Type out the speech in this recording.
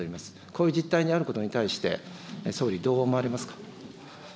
こういう実態にあることに対して、総理、どう思われますか。